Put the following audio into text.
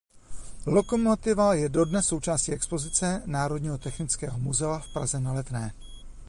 Lokomotiva je dodnes součástí expozice Národního technického muzea v Praze na Letné.